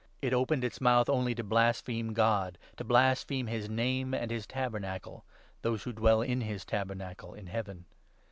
It opened its mouth 6 only to blaspheme God, to blaspheme his Name and his Tabernacle — those who dwell in his Tabernacle in Heaven.